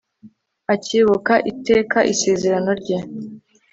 akibuka iteka isezerano rye